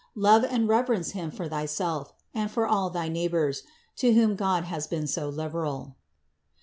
Love and reverence Him for thyself and for all thy neighbors, to whom God has been so liberal.